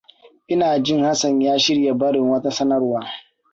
Ina jin Hassan ya shirya barin wata sanarwa.